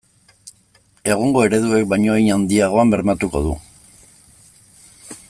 Egungo ereduek baino hein handiagoan bermatuko du.